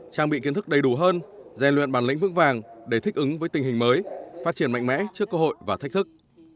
trang bị kiến thức đầy đủ hơn gian luyện bản lĩnh vững vàng để thích ứng với tình hình mới phát triển mạnh mẽ trước cơ hội và thách thức